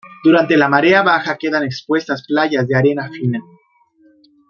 Durante la marea baja quedan expuestas playas de arena fina.